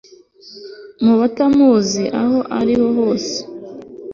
mu batamuzi, aho ari hose